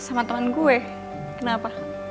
sama temen gue kenapa